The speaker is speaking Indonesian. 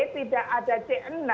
tidak ada c enam